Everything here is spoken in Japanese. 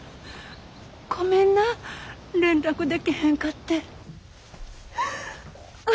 ごめんな連絡でけへんかって。